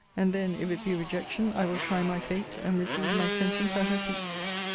and then, if it be rejection, I will try my fate, and receive my sentence at her feet.